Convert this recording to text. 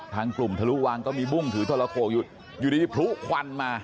ทางกลุ่มทะลุวังก็มีบุ้งถือทรโขกอยู่อยู่ดีพลุควันมา